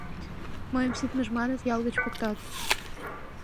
— Мыйым «ситмыж» маныт, ял гыч поктат.